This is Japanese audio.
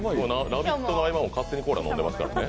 「ラヴィット！」の合間も勝手にコーラを飲んでますからね。